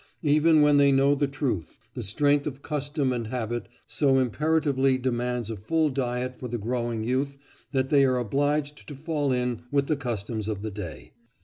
Even when they know the truth, the strength of custom and habit so imperatively demands a full diet for the growing youth that they are obliged to fall in with the customs of the day.